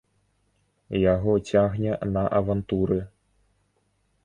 Яго цягне на авантуры.